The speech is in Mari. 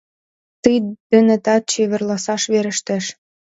Тый денетат чеверласаш верештеш!